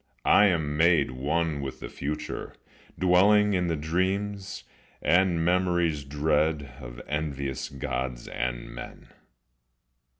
I am made One with the future, dwelling in the dreams And memories dread of envious gods and men.